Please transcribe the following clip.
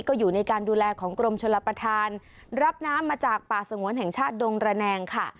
ก็อยู่ในการดูแลของกรมชลประธานรับน้ำมาจากป่าสงวนแห่งชาติดงระแนงค่ะ